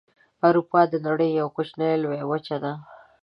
اروپا د نړۍ یوه کوچنۍ لویه وچه ده.